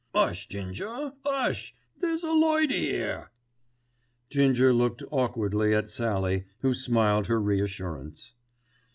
"'Ush, Ginger, 'ush, there's a lady 'ere." Ginger looked awkwardly at Sallie, who smiled her reassurance.